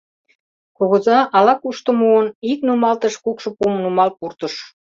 Кугыза, ала-кушто муын, ик нумалтыш кукшо пум нумал пуртыш.